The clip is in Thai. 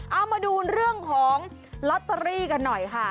เอามาดูเรื่องของลอตเตอรี่กันหน่อยค่ะ